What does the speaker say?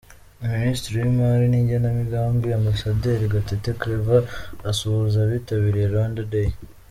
Minisitiri w’imari n’igenamigambi, Ambasaderi Gatete Claver asuhuza abitabiriye Rwanda Day.